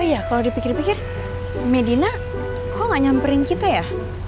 iya kalau dipikir pikir medina kok gak nyamperin kita ya